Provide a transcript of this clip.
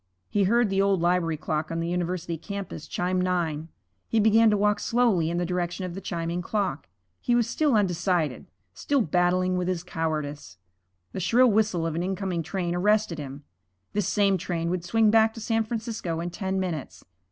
He heard the Old Library clock on the University campus chime nine. He began to walk slowly in the direction of the chiming clock. He was still undecided, still battling with his cowardice. The shrill whistle of an incoming train arrested him. This same train would swing back to San Francisco in ten minutes.